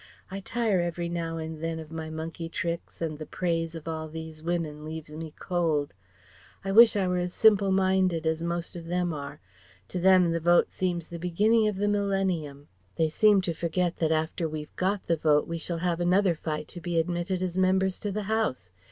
I tire every now and then of my monkey tricks, and the praise of all these women leaves me cold. I wish I were as simple minded as most of them are. To them the Vote seems the beginning of the millennium. They seem to forget that after we've got the Vote we shall have another fight to be admitted as members to the House.